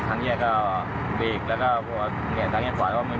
มันเสียไม่มีสัญญาณภัยอะไรหรือ